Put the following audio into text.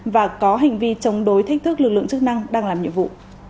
và có hành vi chống đối thách thức lực lượng chức năng đang làm nhiệm vụ